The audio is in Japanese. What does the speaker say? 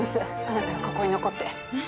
あなたはここに残って。